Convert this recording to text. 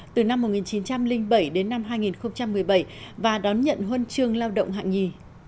từ năm một nghìn chín trăm linh bảy đến năm hai nghìn một mươi bảy và đón nhận huân chương lao động hạng nhì